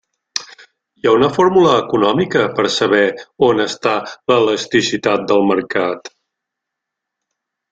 Hi ha una fórmula econòmica per a saber on està l'elasticitat del mercat.